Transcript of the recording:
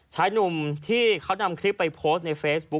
ชายหนุ่มที่เขานำคลิปไปโพสต์ในเฟซบุ๊ค